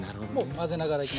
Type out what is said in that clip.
混ぜながらいく。